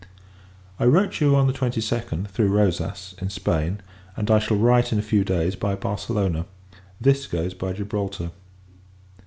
I wrote you on the 22d, through Rosas, in Spain; and I shall write, in a few days, by Barcelona: this goes by Gibraltar.